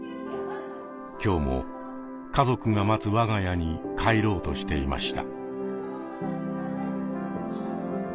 今日も家族が待つ我が家に帰ろうとしていました。